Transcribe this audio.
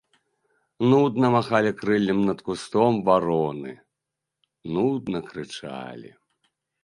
Нудна махалі крыллем над кустом вароны, нудна крычалі.